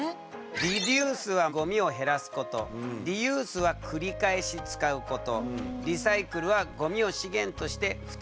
リデュースはごみを減らすことリユースは繰り返し使うことリサイクルはごみを資源として再び利用することだ。